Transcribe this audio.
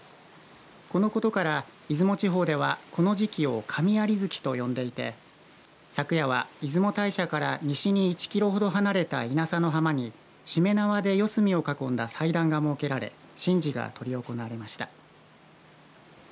このことから出雲地方では、この時期を神在月と呼んでいて昨夜は出雲大社から西に１キロほど離れた稲佐の浜にしめ縄で四隅を囲んだ祭壇が設けられ神事が執り行われました。